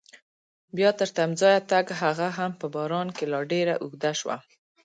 بیا تر تمځایه تګ هغه هم په باران کې لاره ډېره اوږده شوه.